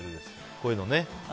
こういうのね。